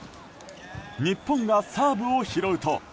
日本がサーブを拾うと。